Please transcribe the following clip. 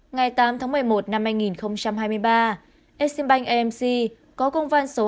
ngày tám tháng một mươi một năm hai nghìn hai mươi ba exim bank amc có công văn số hai nghìn một trăm năm mươi năm hai nghìn hai mươi ba